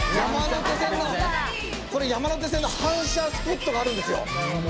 これ山手線の反射スポットがあるんですよ。